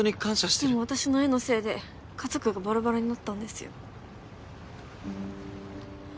でも私の絵のせいで家族がバラバラになったんですよ？